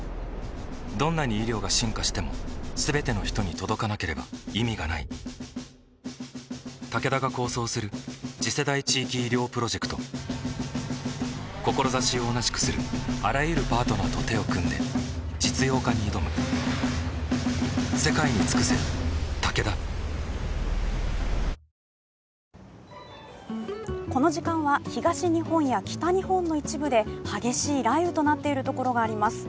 どんなに医療が進化しても全ての人に届かなければ意味がないタケダが構想する次世代地域医療プロジェクト志を同じくするあらゆるパートナーと手を組んで実用化に挑むこの時間は東日本や北日本の一部で激しい雷雨となっているところがりあます。